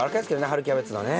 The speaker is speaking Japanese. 春キャベツのね。